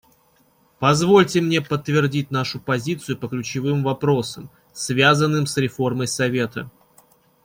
Позвольте мне подтвердить нашу позицию по ключевым вопросам, связанным с реформой Совета.